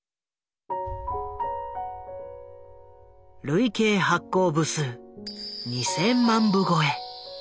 累計発行部数２，０００万部超え。